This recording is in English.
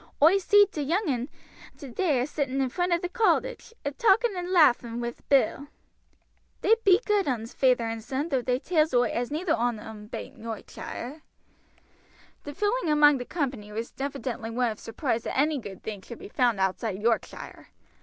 "Oi seed t' young un today a sitting in front o' th' cottage, a talking and laughing wi' Bill." "They be good uns, feyther and son, though they tells oi as neither on them bain't Yaarkshire." The general feeling among the company was evidently one of surprise that any good thing should be found outside Yorkshire.